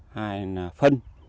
hai là phân